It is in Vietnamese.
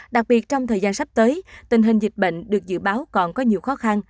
đặc biệt trong thời gian sắp tới tình hình dịch bệnh được dự báo còn có nhiều khó khăn